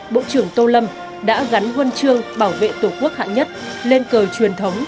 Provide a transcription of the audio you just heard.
bộ trưởng tô lâm đã gắn quân trương bảo vệ tổ quốc hạng nhất lên cờ truyền thống